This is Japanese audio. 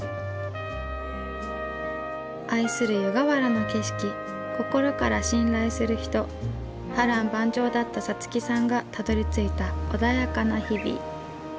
愛する湯河原の景色心から信頼する人波乱万丈だった五月さんがたどりついた穏やかな日々。